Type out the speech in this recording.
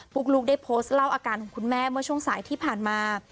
ลูกได้โพสต์เล่าอาการของคุณแม่เมื่อช่วงสายที่ผ่านมา